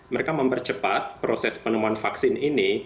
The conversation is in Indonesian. mereka mempercepat proses penemuan vaksin ini